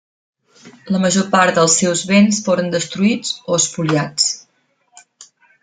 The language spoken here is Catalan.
La major part dels seus béns foren destruïts o espoliats.